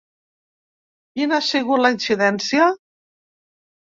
Quina ha sigut la incidència?